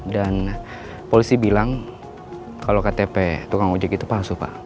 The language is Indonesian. dan polisi bilang kalau ktp tukang ojek itu palsu pak